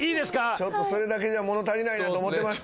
ちょっとそれだけじゃ物足りないなと思ってました。